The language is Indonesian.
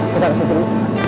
kita kesini dulu